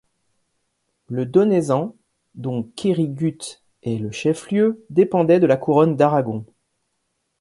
Le Donezan, dont Quérigut est le chef-lieu, dépendait de la couronne d’Aragon.